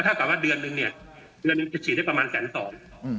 ถ้าถามว่าเดือนหนึ่งจะฉีดได้ประมาณแสนสอง